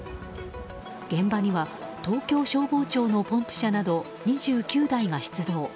現場には東京消防庁のポンプ車など２９台が出動。